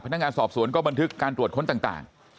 พนักงานสอบสวนก็บันทึกการตรวจค้นต่าง